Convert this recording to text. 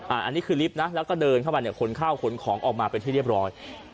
อันนี้คือลิฟต์นะแล้วก็เดินเข้ามาเนี่ยขนข้าวขนของออกมาเป็นที่เรียบร้อย